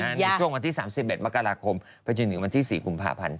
ในช่วงวันที่๓๑มกราคมไปจนถึงวันที่๔กุมภาพันธ์